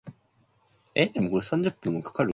He is the current assistant manager of Cruzeiro.